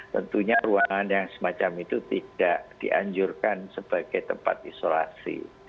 tentunya ruangan yang semacam itu tidak dianjurkan sebagai tempat isolasi